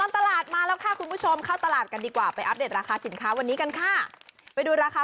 ตลาดมาแล้วค่ะคุณผู้ชมเข้าตลาดกันดีกว่าไปอัปเดตราคาสินค้าวันนี้กันค่ะไปดูราคา